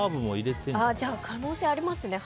じゃあ可能性もありますね。